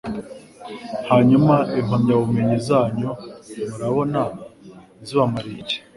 Hanyuma Impamyabumenyi zanyu murabona zibamariye iki